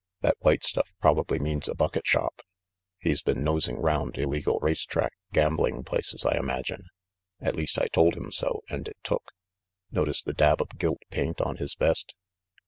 That white stuff probably means a bucket shop. He's been nosing round illegal race track, gambling places, I imagine. At least I told him so, and it took. Notice the dab of gilt paint on his vest?"